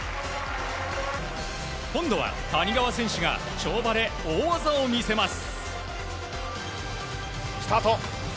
今度は谷川選手が跳馬で大技を見せます。